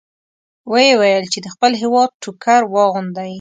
ویې ویل چې د خپل هېواد ټوکر واغوندئ.